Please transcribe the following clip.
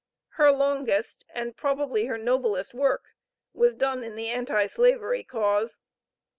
Her longest, and probably her noblest work, was done in the anti slavery cause.